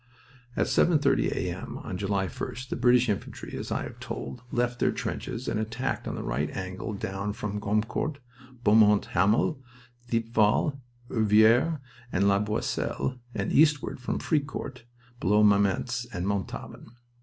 At 7.30 A.M. on July 1st the British infantry, as I have told, left their trenches and attacked on the right angle down from Gommecourt, Beaumont Hamel, Thiepval, Ovillers, and La Boisselle, and eastward from Fricourt, below Mametz and Montauban.